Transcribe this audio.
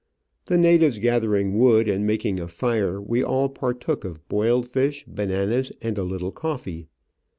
The natives gather ing wood and making a fire, we all partook of boiled fish, bananas, and a little coffee.